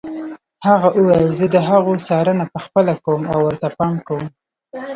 هغه وویل زه د هغو څارنه پخپله کوم او ورته پام کوم.